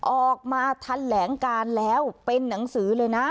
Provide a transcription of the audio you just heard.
ออกมาทันแหลงการแล้วเป็นหนังสือเลยนะ